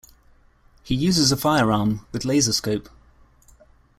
He uses a firearm, with laser scope.